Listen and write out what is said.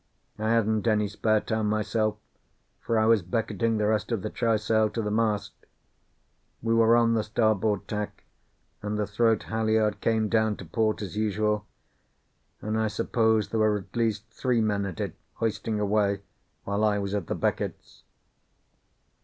I hadn't any spare time myself, for I was becketing the rest of the trysail to the mast. We were on the starboard tack, and the throat halliard came down to port as usual, and I suppose there were at least three men at it, hoisting away, while I was at the beckets.